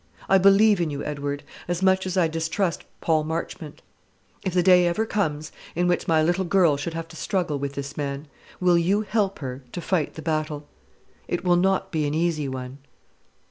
I believe in you, Edward, as much as I distrust Paul Marchmont. If the day ever comes in which my little girl should have to struggle with this man, will you help her to fight the battle? It will not be an easy one.